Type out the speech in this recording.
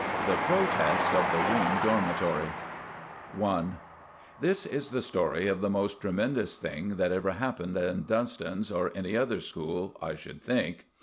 The Protest of the Wing Dormitory I This is the story of the most tremendous thing that ever happened at Dunston's, or any other school, I should think.